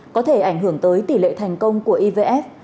có thể ảnh hưởng tới tỷ lệ thành công của ivf